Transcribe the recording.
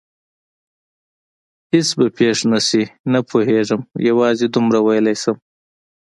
هېڅ به پېښ نه شي؟ نه پوهېږم، یوازې دومره ویلای شم.